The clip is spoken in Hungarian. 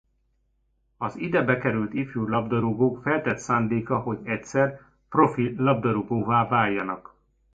Az ide bekerült ifjú labdarúgók feltett szándéka hogy egyszer profi labdarúgóvá váljanak.